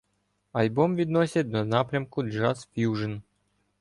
Альбом відносять до напрямку джаз ф'южн.